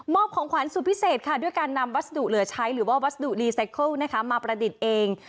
ของขวัญสุดพิเศษค่ะด้วยการนำวัสดุเหลือใช้หรือว่าวัสดุรีไซเคิลมาประดิษฐ์เอง